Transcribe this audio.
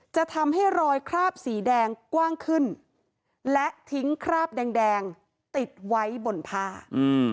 จะทำให้รอยคราบสีแดงกว้างขึ้นและทิ้งคราบแดงแดงติดไว้บนผ้าอืม